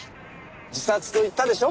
自殺と言ったでしょ。